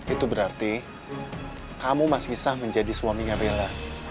itu berarti kamu masih sah menjadi suaminya bella